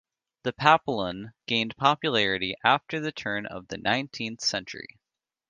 The Papillon gained popularity after the turn of the nineteenth century.